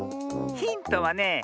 ヒントはね